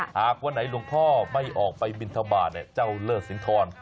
หากวันไหนหลวงพ่อไม่ออกไปบินทบาทเจ้าเลิศสินทร